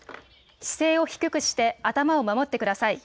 姿勢を低くして頭を守ってください。